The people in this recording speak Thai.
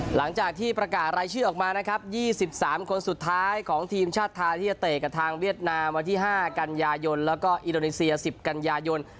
หลังจากที่ประกาศรายชื่อออกมานะครับ๒๓คนสุดท้ายของทีมชาติไทยที่จะเตะกับทางเวียดนามวันที่๕กันยายนแล้วก็อินโดนีเซีย๑๐กันยายน